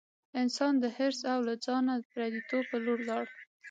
انسان د حرص او له ځانه پردیتوب په لور لاړ.